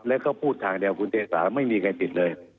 และก็พูดทางแหน่งคุณเจสาไม่มีใครติดเลย